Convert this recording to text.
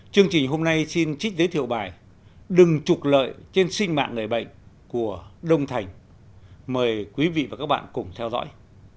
chương trình hôm nay xin trích giới thiệu bài đừng trục lợi trên sinh mạng người bệnh của đông thành mời quý vị và các bạn cùng theo dõi